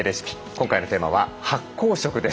今回のテーマは「発酵食」です。